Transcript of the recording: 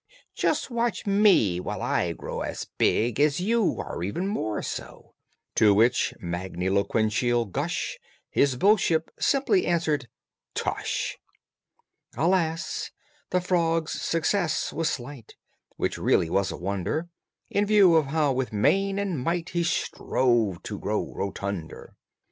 Just watch me while I grow as big As you or even more so!" To which magniloquential gush His bullship simply answered "Tush!" Alas! the frog's success was slight, Which really was a wonder, In view of how with main and might He strove to grow rotunder!